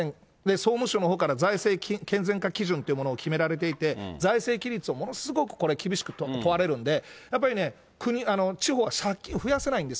総務省のほうから財政健全化基準というものを決められていて、財政規律をものすごく、これ、厳しく問われるんで、やっぱり、地方は借金増やせないんです。